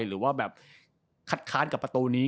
หรือว่าแบบคัดค้านกับประตูนี้